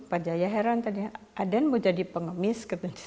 pak jaya heran tadi aden mau jadi pengemis